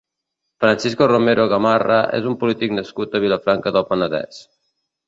Francisco Romero Gamarra és un polític nascut a Vilafranca del Penedès.